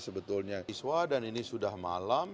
sebetulnya iswa dan ini sudah malam